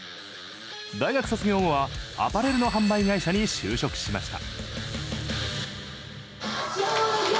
大学卒業後は、アパレルの販売会社に就職しました。